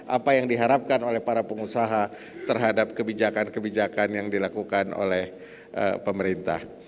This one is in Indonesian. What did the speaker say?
apa yang diharapkan oleh para pengusaha terhadap kebijakan kebijakan yang dilakukan oleh pemerintah